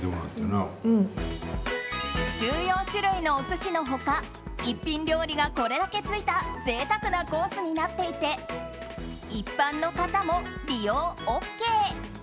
１４種類のお寿司の他一品料理がこれだけ付いた贅沢なコースになっていて一般の方も利用ＯＫ。